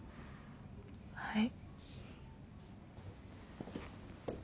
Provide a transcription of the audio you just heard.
はい。